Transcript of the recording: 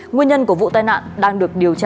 nguyên nhân của vụ tai nạn đang được điều tra